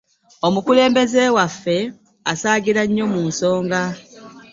Omukulembeze waffe asaagira nnyo mu nsonga.